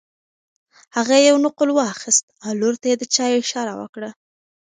هغې یو نقل واخیست او لور ته یې د چایو اشاره وکړه.